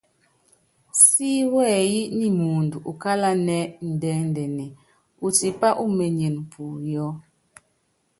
Si wɛyí nyi muundɔ ukálanɛ́ ndɛ́ndɛ́nɛ, utipá umenyene puyɔ́.